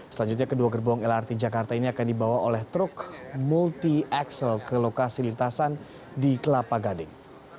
selanjutnya kedua gerbong lrt jakarta ini akan dibawa oleh truk multi excel ke lokasi lintasan di kelapa gading